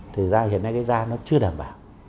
thực ra hiện nay cái da nó chưa đảm bảo